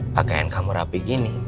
pakaian kamu rapi gini